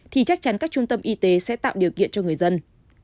thì chắc chắn các trung tâm y tế sẽ tạo điều kiện cho người dân